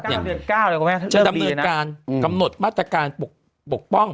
จะจะดำเนืียนการคำโหนตมาตรการปกป้อง